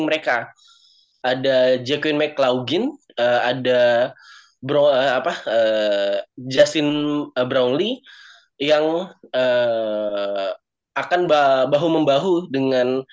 mereka ada jekyll mccloughin ada bro apa eh justin brownlee yang akan bahu membahu dengan